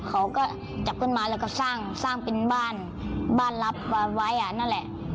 เขาก็จับขึ้นมาแล้วก็สร้างเป็นบ้านบ้านรับไว้นั่นแหละ